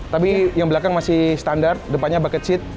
tapi yang belakang masih standar depannya bucket seat